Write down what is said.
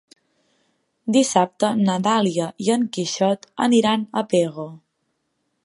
Dissabte na Dàlia i en Quixot aniran a Pego.